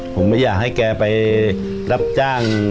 ผมไม่อยากให้แกไปรับจ้าง